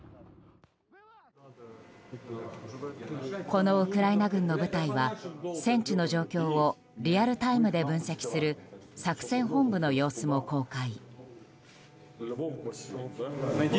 このウクライナ軍の部隊は戦地の状況をリアルタイムで分析する作戦本部の様子も公開。